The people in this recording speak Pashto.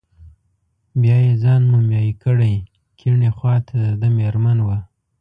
بیا یې ځان مومیا کړی، کیڼې خواته دده مېرمن وه.